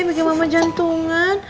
bikin mama jantungan